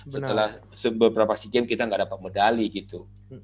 setelah beberapa si game kita nggak dapat medali gitu